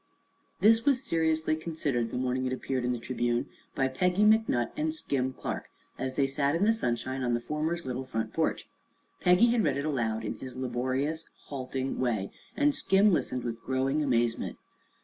This was seriously considered the morning it appeared in the Tribune by Peggy McNutt and Skim Clark, as they sat in the sunshine on the former's little front porch. Peggy had read it aloud in his laborious, halting way, and Skim listened with growing amazement.